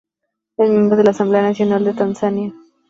Es miembro de la Asamblea Nacional de Tanzania.